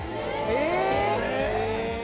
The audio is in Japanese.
え！